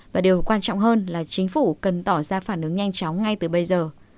và điều quan trọng hơn là chính phủ cần tỏ ra phản ứng nhanh chóng ngay từ bây giờ